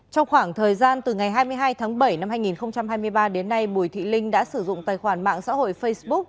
trong khoảng thời gian từ ngày hai mươi hai tháng bảy năm hai nghìn hai mươi ba đến nay bùi thị linh đã sử dụng tài khoản mạng xã hội facebook